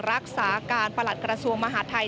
รักษาการประหลัดกระทรวงมหาดไทย